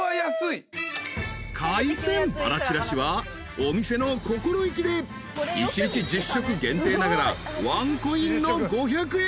［海鮮バラちらしはお店の心意気で一日１０食限定ながらワンコインの５００円］